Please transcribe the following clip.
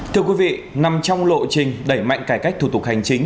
thưa quý vị nằm trong lộ trình đẩy mạnh cải cách thủ tục hành chính